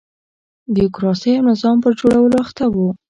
بیروکراسۍ او نظام پر جوړولو اخته و.